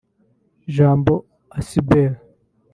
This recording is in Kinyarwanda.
Jambo asbl